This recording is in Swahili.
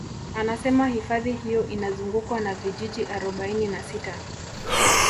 Anasema hifadhi hiyo inazungukwa na vijiji arobaini na sita